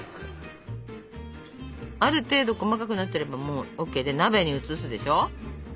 ある程度細かくなってればもうＯＫで鍋に移すでしょ。